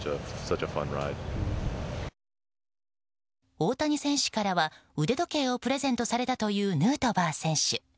大谷選手からは腕時計をプレゼントされたというヌートバー選手。